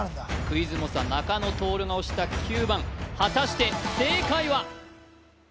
クイズ猛者中野亨が押した９番果たして正解は？